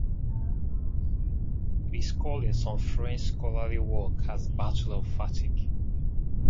It is called in some French scholarly works as the "Battle of Fatick".